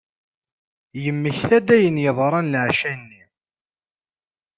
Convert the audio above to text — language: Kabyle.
Yemmekta-d ayen yeḍran laɛca-nni.